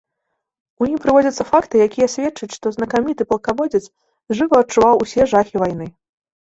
У ім прыводзяцца факты, якія сведчаць, што знакаміты палкаводзец жыва адчуваў ўсе жахі вайны.